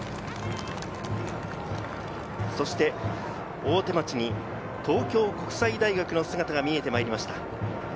大手町に東京国際大学の姿が見えてきました。